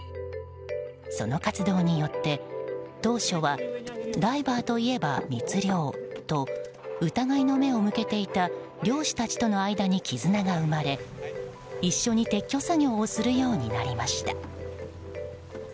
その活動によって、当初はダイバーといえば密漁と疑いの目を向けていた漁師たちとの間に絆が生まれ一緒に撤去作業をするようになりました。